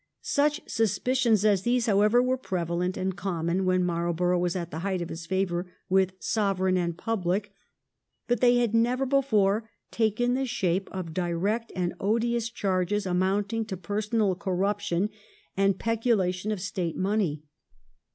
Such suspicions as these, however, were prevalent and common when Marlborough was at the height of his^ favour with Sovereign and public, but they had never before taken the shape of direct and odious charges amounting to personal corruption and peculation of State money.